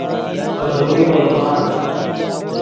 پے روئے روڤا